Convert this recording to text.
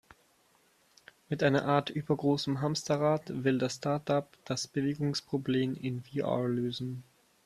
Mit einer Art übergroßem Hamsterrad, will das Startup das Bewegungsproblem in VR lösen.